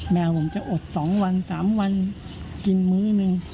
แมวผมจะอด๒วัน๓วันกินมื้อหนึ่ง